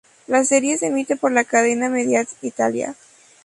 La serie se emite por la cadena Mediaset Italia.